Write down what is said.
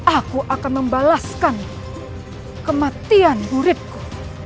aku akan membalaskan kematian muridku